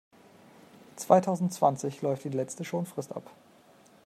Zweitausendzwanzig läuft die letzte Schonfrist ab.